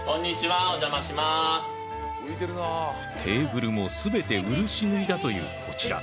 テーブルも全て漆塗りだというこちら。